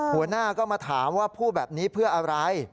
หัวหน้าก็มาถามว่าพูดแบบนี้เพื่ออะไร